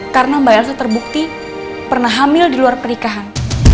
karena mbak elsa terbukti pernah hamil di luar pernikahan